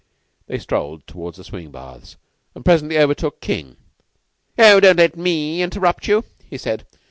They strolled towards the swimming baths, and presently overtook King. "Oh, don't let me interrupt you," he said.